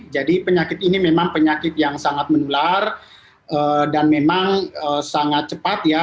penyakit ini memang penyakit yang sangat menular dan memang sangat cepat ya